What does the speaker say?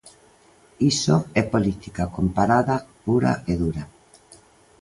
Iso é política comparada pura e dura.